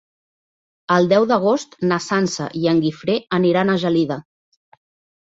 El deu d'agost na Sança i en Guifré aniran a Gelida.